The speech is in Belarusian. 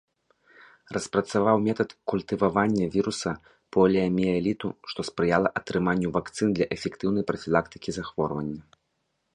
Распрацаваў метад культывавання віруса поліяміэліту, што спрыяла атрыманню вакцын для эфектыўнай прафілактыкі захворвання.